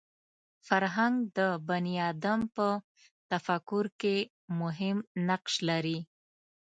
فرهنګ د بني ادم په تفکر کې مهم نقش لري